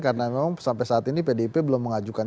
karena memang sampai saat ini pdp belum mengajukan